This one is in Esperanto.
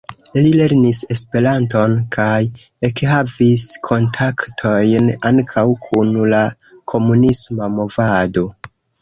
Li lernis Esperanton, kaj ekhavis kontaktojn ankaŭ kun la komunisma movado.